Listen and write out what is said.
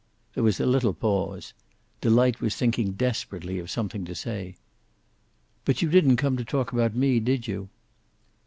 There was a little pause. Delight was thinking desperately of something to say. "But you didn't come to talk about me, did you?"